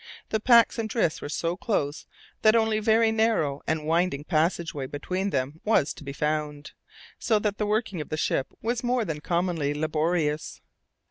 The packs and drifts were so close that only very narrow and winding passage way between them was to be found, so that the working of the ship was more than commonly laborious.